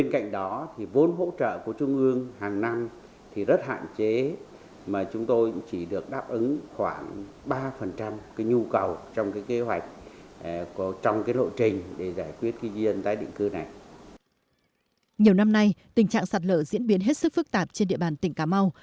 nhiều năm nay tình trạng sạt lở diễn biến hết sức phức tạp trên địa bàn tỉnh cà mau